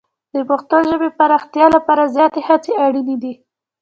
د پښتو ژبې پراختیا لپاره زیاتې هڅې اړینې دي.